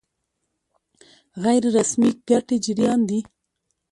غیر رسمي ګټې جريان دي.